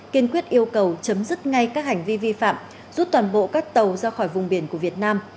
kiên quyết yêu cầu chấm dứt ngay các hành vi vi phạm rút toàn bộ các tàu ra khỏi vùng biển của việt nam